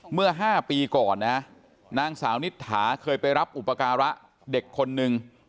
เมื่อ๕ปีก่อนนะนางสาวนิษฐาเคยไปรับอุปการะเด็กคนนึง